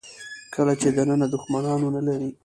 کله چې دننه دوښمنان ونه لرئ.